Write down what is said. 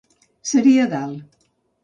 Seré a dalt.